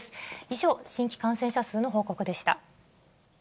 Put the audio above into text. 以上、新規感染者数の報告でした。